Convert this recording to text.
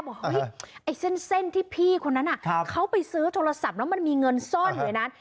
บอกเฮ้ยไอ้เส้นที่พี่คนนั้นเขาไปซื้อโทรศัพท์แล้วมันมีเงินซ่อนอยู่ในนั้น